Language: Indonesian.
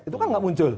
itu kan nggak muncul